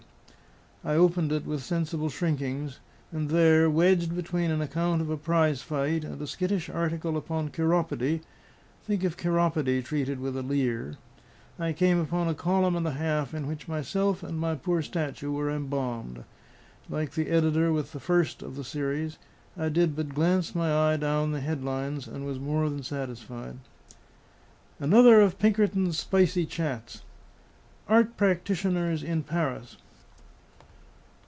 I opened it with sensible shrinkings; and there, wedged between an account of a prize fight and a skittish article upon chiropody think of chiropody treated with a leer! I came upon a column and a half in which myself and my poor statue were embalmed. Like the editor with the first of the series, I did but glance my eye down the head lines and was more than satisfied. ANOTHER OF PINKERTON'S SPICY CHATS. ART PRACTITIONERS IN PARIS.